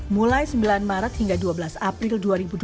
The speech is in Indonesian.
mulai sembilan maret hingga dua belas april dua ribu dua puluh